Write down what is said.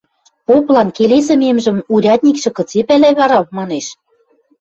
Поплан келесӹмемжӹм урядникшӹ кыце пӓлӓ вара? – манеш.